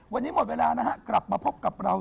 วันนี้หมดเวลานะฮะกลับมาพบกับเรา